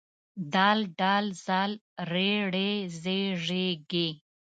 د ډ ذ ر ړ ز ژ ږ